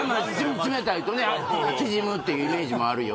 冷たいとね縮むっていうイメージもあるよ